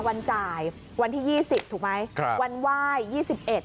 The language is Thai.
วันจ่ายวันที่ยี่สิบถูกไหมครับวันไหว้ยี่สิบเอ็ด